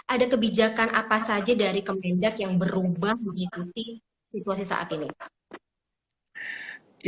ada kebijakan apa saja dari kemendak yang berubah mengikuti situasi saat ini